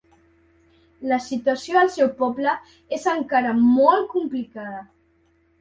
La situació al seu poble és encara molt complicada.